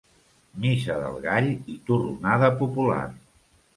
Missa del Gall i torronada popular.